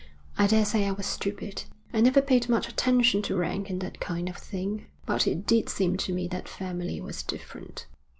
I daresay I was stupid. I never paid much attention to rank and that kind of thing, but it did seem to me that family was different.